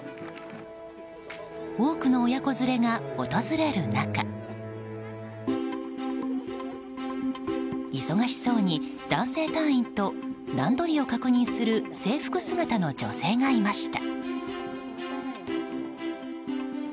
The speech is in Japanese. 多くの親子連れが訪れる中忙しそうに男性隊員と段取りを確認する制服姿の女性がいました。